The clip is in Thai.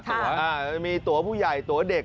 อ่ะมีตั๋วผู้ใหญ่ตั๋วเด็ก